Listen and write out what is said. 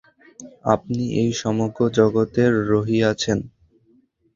আপনি এই সমগ্র জগতের মধ্যে রহিয়াছেন।